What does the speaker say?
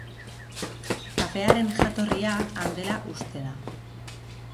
Kafearen jatorria han dela uste da.